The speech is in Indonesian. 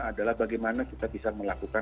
adalah bagaimana kita bisa melakukan